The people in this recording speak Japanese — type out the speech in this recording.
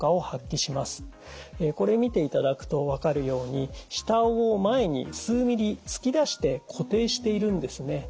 これ見ていただくと分かるように下あごを前に数ミリ突き出して固定しているんですね。